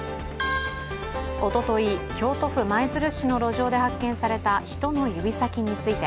おととい、京都府舞鶴市の路上で発見された人の指先について。